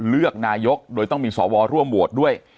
เลือกนายกโดยต้องมีสวร่วมโหวตด้วย